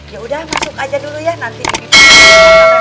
ya udah masuk aja dulu ya nanti